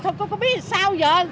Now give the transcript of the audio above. thôi tôi có biết sao giờ